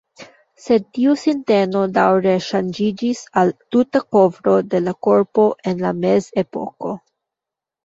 Sed tiu sinteno daŭre ŝanĝiĝis al tuta kovro de la korpo en la mezepoko.